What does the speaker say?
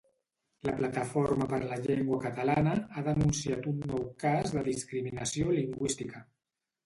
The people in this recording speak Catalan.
La Plataforma per la Llengua catalana ha denunciat un nou cas de discriminació lingüística